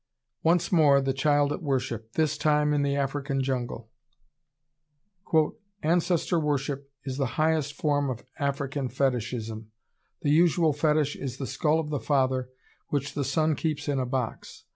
] Once more the Child at Worship, this time in the African jungle! "Ancestor worship is the highest form of African Fetishism, the usual fetish is the skull of the father, which the son keeps in a box.